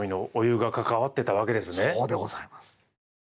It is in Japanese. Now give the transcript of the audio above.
そうでございます。